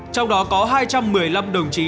trong đó có hai trăm một mươi năm đồng chí